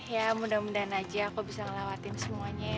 ya mudah mudahan aja aku bisa ngelewatin semuanya ya